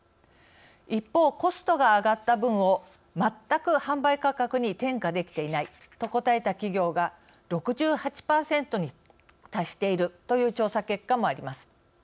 一方コストが上がった分を全く販売価格に転嫁できていないと答えた企業が６８％に達しているという調査結果もあります。